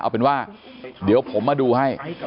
เอาเป็นว่าเดี๋ยวผมมาดูให้